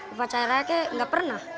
upacaranya kayak gak pernah